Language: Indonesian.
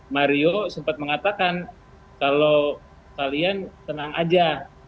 mario sempat mengatakan kalau kalian tenang aja